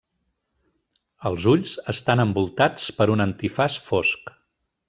Els ulls estan envoltats per un antifaç fosc.